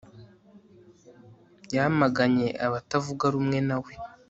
Yamaganye abatavuga rumwe na we